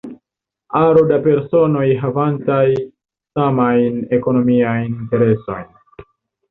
Aro da personoj havantaj samajn ekonomiajn interesojn.